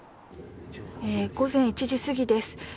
午前１時過ぎです。